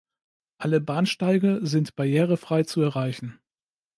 Alle Bahnsteige sind barrierefrei zu erreichen.